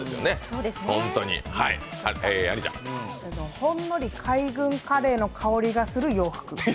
ほんのり海軍カレーの香りがする洋服。